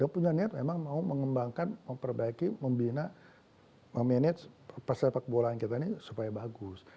punya niat memang mau mengembangkan memperbaiki membina memanage pas sepak bola kita ini supaya bagus